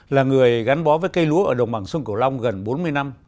là người gắn bó với cây lúa ở đồng bằng sông cửu long gần bốn mươi năm